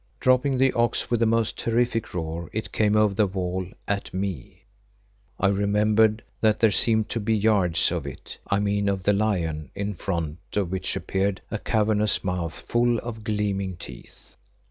Dropping the ox, with a most terrific roar it came over the wall at me—I remember that there seemed to be yards of it—I mean of the lion—in front of which appeared a cavernous mouth full of gleaming teeth.